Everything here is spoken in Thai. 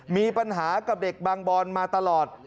มีปัญหากับเด็กบางบอนมาตลอด